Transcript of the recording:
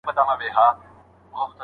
خیر محمد په سړک باندې ورو ورو روان و.